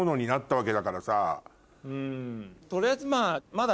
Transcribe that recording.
取りあえずまだ。